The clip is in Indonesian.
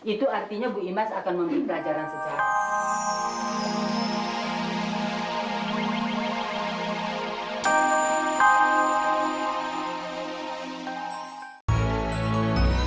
itu artinya ibu imas akan memberi pelajaran secara